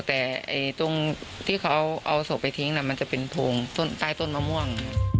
แต่ตรงที่เขาเอาศพไปทิ้งมันจะเป็นโพงใต้ต้นมะม่วง